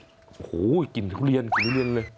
โอ้โหกลิ่นทุเรียนเลย